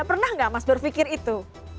pernah nggak mas berpikir itu